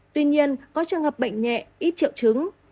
tuy nhiên có trường hợp bệnh nhẹ ít triệu chứng